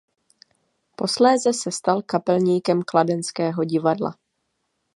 Posléze se stal kapelníkem kladenského divadla.